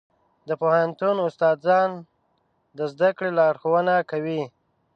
د پوهنتون استادان د زده کړې لارښوونه کوي.